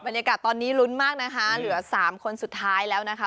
บรรยากาศตอนนี้ลุ้นมากนะคะเหลือสามคนสุดท้ายแล้วนะคะ